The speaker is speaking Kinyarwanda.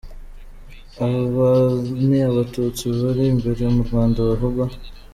Aba ni abatutsi bari imbere mu Rwanda bavugwa.